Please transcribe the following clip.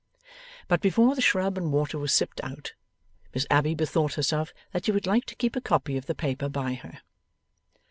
But before the shrub and water was sipped out, Miss Abbey bethought herself that she would like to keep a copy of the paper by her.